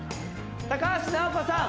高橋尚子さん